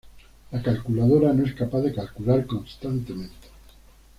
La calculadora no es capaz de calcular constantemente.